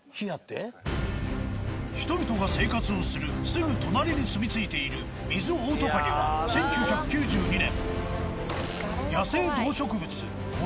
人々が生活をするすぐ隣にすみ着いているミズオオトカゲは１９９２年。